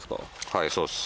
はいそうです。